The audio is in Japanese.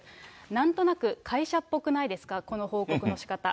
なんとなく、会社っぽくないですか、この報告のしかた。